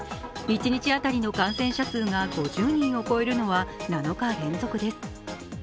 一日当たりの感染者数が５０人を超えるのは７日連続です。